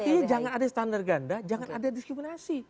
artinya jangan ada standar ganda jangan ada diskriminasi